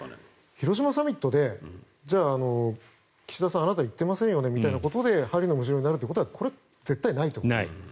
広島サミットでじゃあ、岸田さんあなた行ってませんよねみたいなことで針のむしろになることはこれは絶対ないと思います。